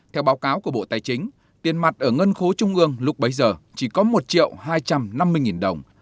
theo báo cáo của bộ tài chính tiền mặt ở ngân khố trung ương lúc bấy giờ chỉ có một triệu hai trăm năm mươi nghìn đồng